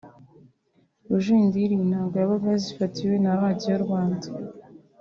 Rujindiri inanga yabaga yazifatiwe na radiyo Rwanda